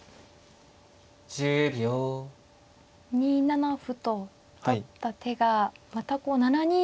２七歩と取った手がまたこう７二角があって。